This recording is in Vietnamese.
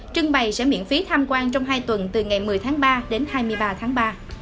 trưng bày sẽ miễn phí tham quan trong hai tuần từ ngày một mươi tháng ba đến hai mươi ba tháng ba